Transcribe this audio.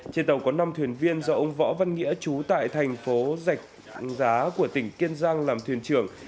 trên tàu có năm thuyền viên do ông võ văn nghĩa trú tại thành phố dạch giá của tỉnh kiên giang làm thuyền trưởng